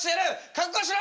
覚悟しろ！